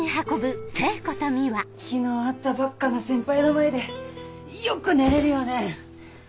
昨日会ったばっかの先輩の前でよく寝れるよね。